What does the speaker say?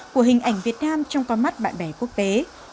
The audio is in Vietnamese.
của hình ảnh việt nam trong con mắt bạn bè quốc tế